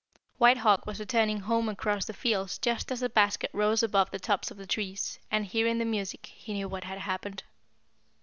White Hawk was returning home across the fields just as the basket rose above the tops of the trees, and, hearing the music, he knew what had happened.